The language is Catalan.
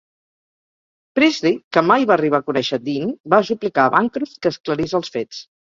Priestley, que mai va arribar a conèixer Deane, va suplicar a Bancroft que esclarís els fets.